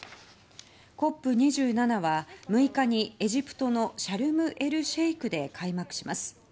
ＣＯＰ２７は６日にエジプトのシャルム・エル・シェイクで開幕します。